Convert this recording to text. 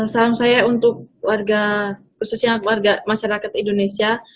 salam saya untuk warga khususnya warga masyarakat indonesia